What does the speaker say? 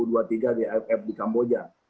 u dua puluh tiga di ff di kamboja